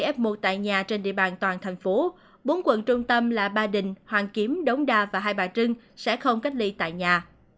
f một tại nhà trên địa bàn toàn thành phố bốn quận trung tâm là ba đình hoàn kiếm đống đa và hai bà trưng sẽ không cách ly tại nhà